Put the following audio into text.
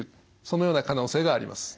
そのような可能性があります。